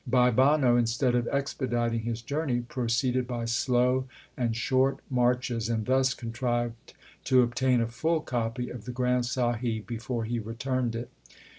Bhai Banno, instead of expediting his journey, proceeded by slow and short marches, and thus contrived to obtain a full copy of the Granth Sahib before he returned it.